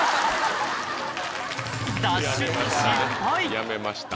やめました。